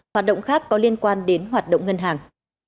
hoạt động khác có liên quan đến hoạt động ngân hàng